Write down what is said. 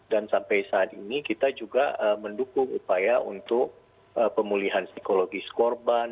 dan sampai saat ini kita juga mendukung upaya untuk pemulihan psikologis korban